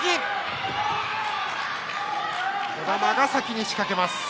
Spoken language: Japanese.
児玉が先に仕掛けます。